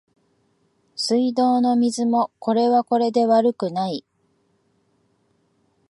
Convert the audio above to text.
水道の水もこれはこれで悪くない